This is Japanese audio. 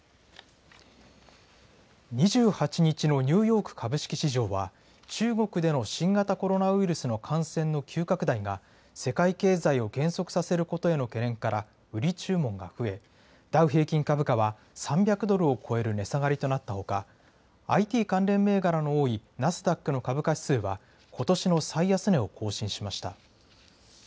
２８日のニューヨーク株式市場は、中国での新型コロナウイルスの感染の急拡大が、世界経済を減速させることへの懸念から売り注文が増え、ダウ平均株価は、３００ドルを超える値下がりとなったほか、ＩＴ関連銘柄の多いナスダックの株価指数は、ことしの最安値を更新しました。